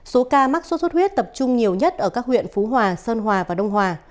số ca mắc sốt xuất huyết tập trung nhiều nhất ở các huyện phú hòa sơn hòa và đông hòa